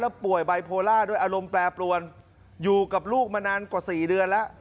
ป่วยไบโพล่าด้วยอารมณ์แปรปรวนอยู่กับลูกมานานกว่า๔เดือนแล้ว